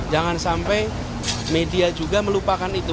jangan sampai media juga melupakan itu